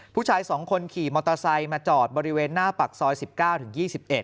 ผู้ชาย๒คนขี่มอเตอร์ไซค์มาจอดบริเวณหน้าปากซอย๑๙ถึง๒๑